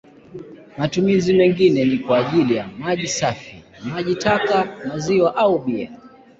Matumizi mengine ni kwa ajili ya maji safi, maji taka, maziwa au bia.